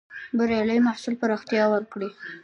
بریالي محصول پراختيا ورکړې.